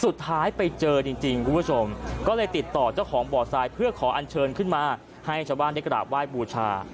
สุดท้ายไปเจอจริงคุณผู้ชมก็เลยติดต่อเจ้าของบ่อทรายเพื่อขออันเชิญขึ้นมาให้ชาวบ้านได้กราบไหว้บูชา